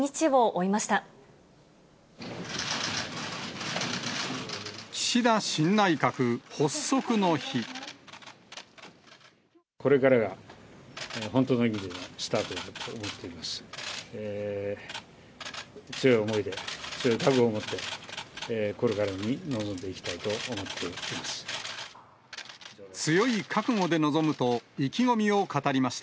強い思いで、強い覚悟を持って、これからに臨んでいきたいと思っています。